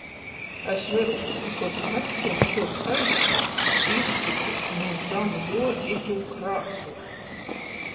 Es verūs, i kod acs jam suoc aizkrist, izsytu nu zam juo itū krāslu...